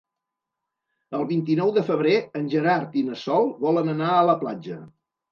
El vint-i-nou de febrer en Gerard i na Sol volen anar a la platja.